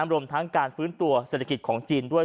รวมทั้งการฟื้นตัวเศรษฐกิจของจีนด้วย